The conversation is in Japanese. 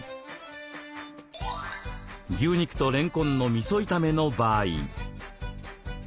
牛肉とれんこんのみそ炒めの場合。